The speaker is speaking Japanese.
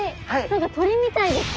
何か鳥みたいです。